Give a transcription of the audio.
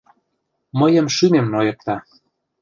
Мыйым шӱмем нойыкта...»